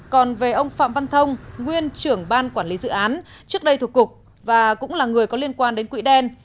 còn về ông phạm văn thông nguyên trưởng ban quản lý dự án trước đây thuộc cục và cũng là người có liên quan đến quỹ đen